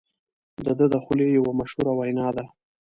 د ده د خولې یوه مشهوره وینا ده.